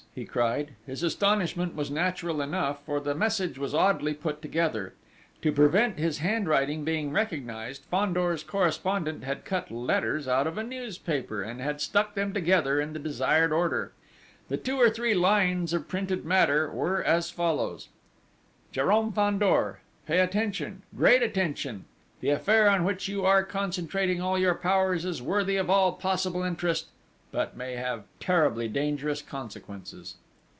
he cried. His astonishment was natural enough, for the message was oddly put together. To prevent his handwriting being recognised, Fandor's correspondent had cut letters out of a newspaper, and had stuck them together in the desired order. The two or three lines of printed matter were as follows: "Jérôme Fandor, pay attention, great attention! The affair on which you are concentrating all your powers is worthy of all possible interest, but may have terribly dangerous consequences."